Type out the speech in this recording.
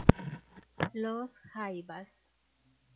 Los Jaivas.